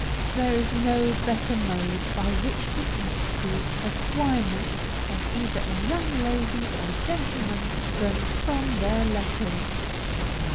There is no better mode by which to test the acquirements of either a young lady or gentleman than from their letters.